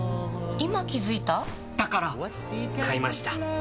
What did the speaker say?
今気付いた？だから！買いました。